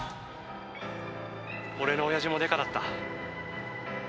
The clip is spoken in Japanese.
俺の親父もデカだった。